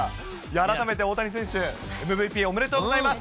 改めて大谷選手、ＭＶＰ、おめでとうございます。